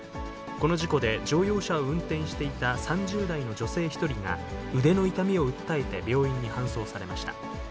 この事故で、乗用車を運転していた３０代の女性１人が、腕の痛みを訴えて病院に搬送されました。